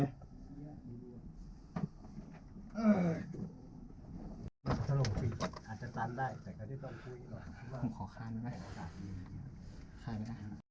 เอามาเลย